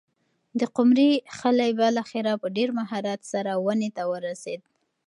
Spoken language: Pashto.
د قمرۍ خلی بالاخره په ډېر مهارت سره ونې ته ورسېد.